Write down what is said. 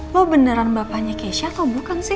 mau beneran bapaknya keisha atau bukan sih